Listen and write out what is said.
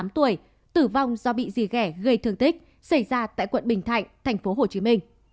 tám tuổi tử vong do bị dì gẻ gây thương tích xảy ra tại quận bình thạnh tp hcm